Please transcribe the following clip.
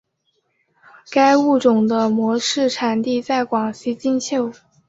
该物种的模式产地在广西金秀。